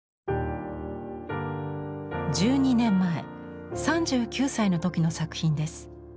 １２年前３９歳の時の作品です。